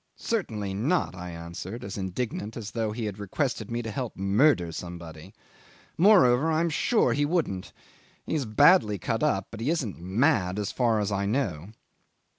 "Certainly not," I answered, as indignant as though he had requested me to help murder somebody; "moreover, I am sure he wouldn't. He is badly cut up, but he isn't mad as far as I know."